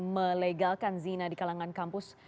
melegalkan zina di kalangan kampus